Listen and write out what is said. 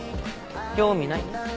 興味ない。